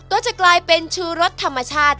ก็จะกลายเป็นชูรสธรรมชาติ